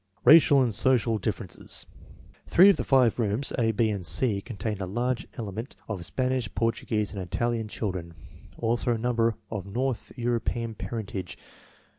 Racial and social differences. Three of the five rooms (A, B, and C) contained a large element of 56 INTELLIGENCE OP SCHOOL CHILDREN Spanish, Portuguese, and Italian children, also a number of North European parentage.